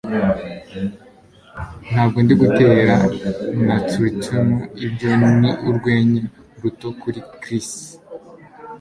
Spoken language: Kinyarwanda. Ntabwo ndimo gutera nasturtium - ibyo ni urwenya ruto - kuri Chris.